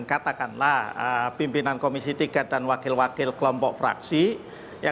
katakanlah pimpinan komisi tiga dan wakil wakil kelompok fraksi